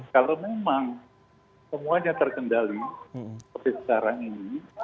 kalau memang semuanya terkendali seperti sekarang ini